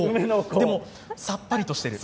でも、さっぱりとしてる。